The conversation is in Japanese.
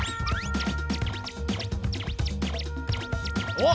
おっ！